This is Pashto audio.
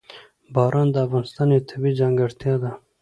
باران د افغانستان یوه طبیعي ځانګړتیا ده.